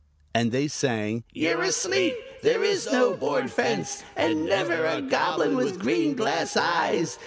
And they sang, "You're asleep! There is no board fence, And never a Goblin with green glass eyes!